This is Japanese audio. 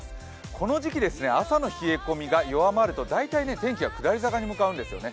この時期、朝の冷え込みが弱まるとだいたい天気が下り坂に向かうんですよね。